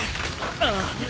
ああ。